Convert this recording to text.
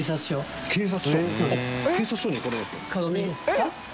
えっ！